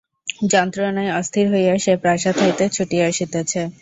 যন্ত্রণায় অস্থির হইয়া সে প্রাসাদ হইতে ছুটিয়া আসিতেছে।